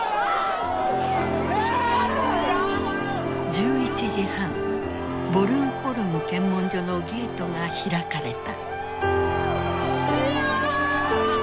１１時半ボルンホルム検問所のゲートが開かれた。